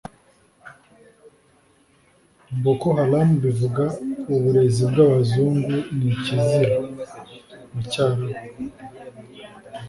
Boko Haram bivuga “Uburezi bw’Abazungu ni ikizira” mu Cyarabu